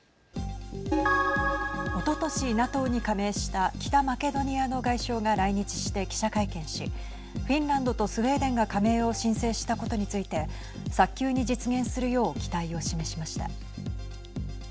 おととし、ＮＡＴＯに加盟した北マケドニアの外相が来日して記者会見しフィンランドとスウェーデンが加盟を申請したことについて早急に実現するよう期待を示しました。